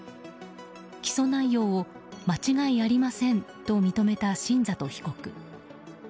起訴内容を、間違いありませんと認めた新里被告。